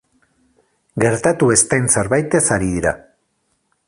Gertatu ez den zerbaitez ari dira.